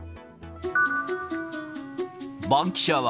バンキシャは、